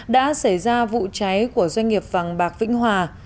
đã xảy ra vụ cháy của doanh nghiệp vàng bạc vĩnh hòa